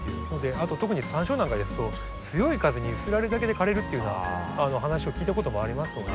あと特にサンショウなんかですと強い風に揺すられるだけで枯れるっていうような話を聞いたこともありますので。